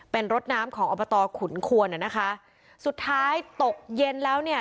เป็นรถน้ำของอบตขุนควนอ่ะนะคะสุดท้ายตกเย็นแล้วเนี่ย